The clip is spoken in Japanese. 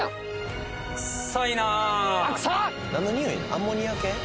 アンモニア系？